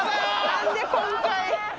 何で今回。